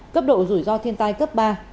cấp độ rủi ro thiên tai cấp ba